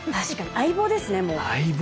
相棒です。